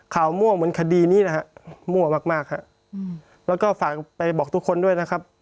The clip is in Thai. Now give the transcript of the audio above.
มั่วเหมือนคดีนี้นะฮะมั่วมากมากฮะแล้วก็ฝากไปบอกทุกคนด้วยนะครับ